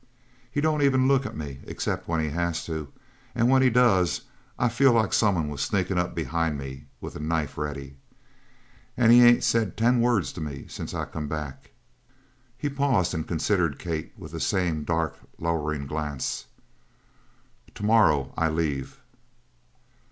He don't even look at me except when he has to, and when he does I feel like someone was sneaking up behind me with a knife ready. And he ain't said ten words to me since I come back." He paused and considered Kate with the same dark, lowering glance. "To morrow I leave."